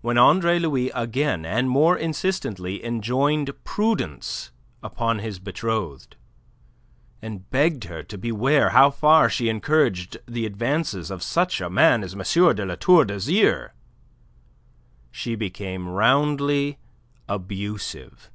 When Andre Louis again, and more insistently, enjoined prudence upon his betrothed, and begged her to beware how far she encouraged the advances of such a man as M. de La Tour d'Azyr, she became roundly abusive.